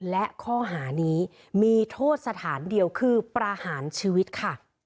และข้อหานี้มีโทษสถานเดียวคือประหารชีวิตค่ะ